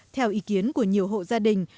theo ý kiến của nhiều hộ gia đình